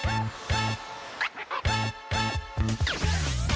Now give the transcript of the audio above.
โอ้โอ้โอ้